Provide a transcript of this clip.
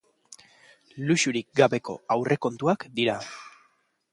Luxurik gabeko aurrekontuak dira.